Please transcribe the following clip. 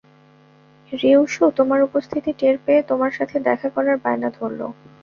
রিউ শু তোমার উপস্থিতি টের পেয়ে তোমার সাথে দেখা করার বায়না ধরলো।